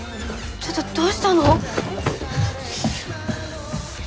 ちょっとどうしたの？